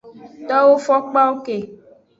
Towo fokpawo ke.